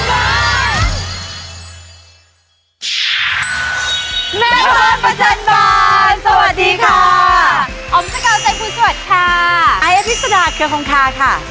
อายภิกษณาเกือบของค่ะค่ะ